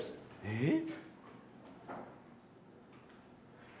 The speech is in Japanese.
えっ？